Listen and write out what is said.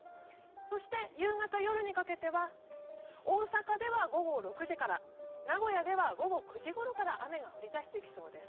そして夕方、夜にかけては大阪では午後６時から、名古屋では午後９時ごろから雨が降り出してきそうです。